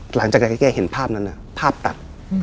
หลังจากที่แกเห็นภาพนั้นภาพตัด